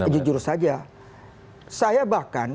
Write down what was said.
jujur saja saya bahkan